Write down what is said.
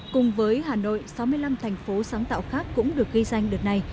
cùng với hà nội sáu mươi năm thành phố sáng tạo khác cũng được ghi danh đợt này